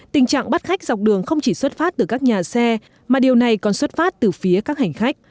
tình trạng bắt khách dọc đường không chỉ xuất phát từ các nhà xe mà điều này còn xuất phát từ phía các hành khách